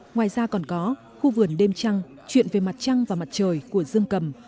ngoài ra còn có khu vườn đêm trăng chuyện về mặt trăng và mặt trời của dương cầm